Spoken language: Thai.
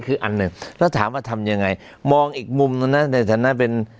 คืออันหนึ่งแล้วถามว่าทำยังไงมองอีกมุมหนึ่งนะในฐานะเป็น